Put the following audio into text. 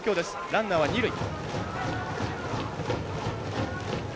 ランナーは二塁。